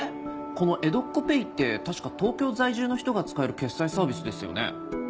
このえどっこペイって確か東京在住の人が使える決済サービスですよね。